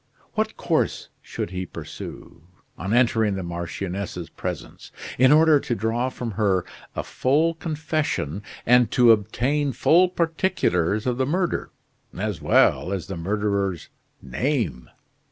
What course should he pursue, on entering the marchioness's presence, in order to draw from her a full confession and to obtain full particulars of the murder, as well as the murderer's name!